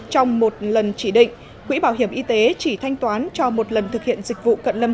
trong một lần chỉ định quỹ bảo hiểm y tế chỉ thanh toán cho một lần thực hiện dịch vụ cận lâm